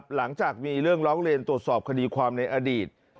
หลังจากมีเรื่องร้องเรียนตรวจสอบคดีความในอดีต